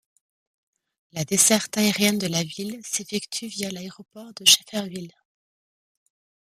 La desserte aérienne de la ville s'effectue via l'aéroport de Schefferville.